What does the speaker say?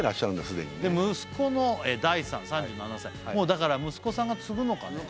既に息子の大さん３７歳もうだから息子さんが継ぐのかな？